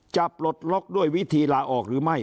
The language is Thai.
ปลดล็อกด้วยวิธีลาออกหรือไม่